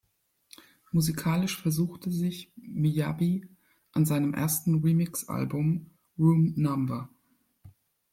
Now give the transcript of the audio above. Musikalisch versuchte sich Miyavi an seinem ersten Remix-Album, "Room No.